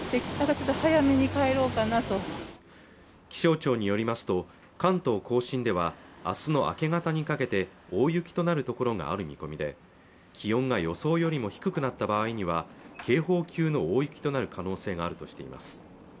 気象庁によりますと関東甲信ではあすの明け方にかけて大雪となる所がある見込みで気温が予想よりも低くなった場合には警報級の大雪となる可能性があるとしています